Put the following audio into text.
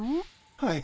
はい。